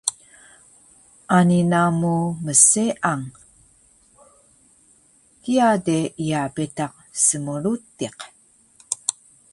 Ani namu mseang. Kiya de iya betaq smrutiq